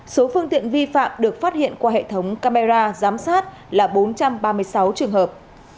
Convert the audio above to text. số phương tiện vi phạm được phát hiện qua hệ thống camera giám sát là bốn trăm ba mươi sáu trường hợp